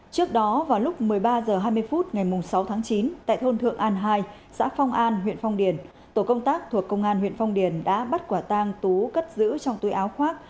trước đó vào lúc một mươi ba h hai mươi phút ngày sáu tháng chín tại thôn thượng an hai xã phong an huyện phong điền tổ công tác thuộc công an huyện phong điền đã bắt quả tang tú cất giữ trong túi áo khoác